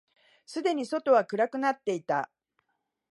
すでに外は暗くなっていた。